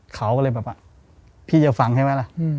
เขาก็เลยแบบว่าพี่จะฟังใช่ไหมล่ะ